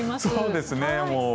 そうですね。